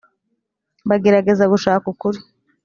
bagerageza gushaka ukuri